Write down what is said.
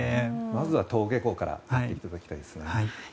まずは登下校からやっていただきたいですね。